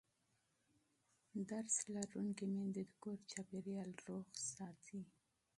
تعلیم لرونکې میندې د کور چاپېریال روغ ساتي.